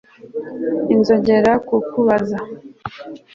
Sinzongera kukubaza